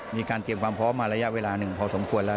มีการเตรียมความพร้อมมาระยะเวลาหนึ่งพอสมควรแล้ว